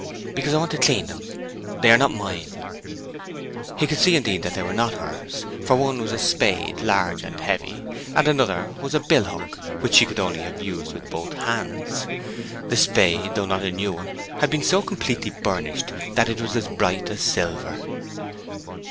"Because I want to clean them. They are not mine." He could see, indeed, that they were not hers, for one was a spade, large and heavy, and another was a bill hook which she could only have used with both hands. The spade, though not a new one, had been so completely burnished that it was bright as silver.